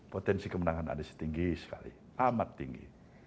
potensi kemenangan anies tinggi sekali amat tinggi